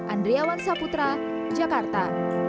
andriawan saputra jakarta